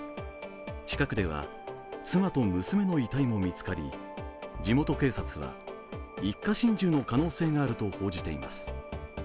近くでは妻と娘の遺体も見つかり、地元警察は一家心中の可能性があると報じています。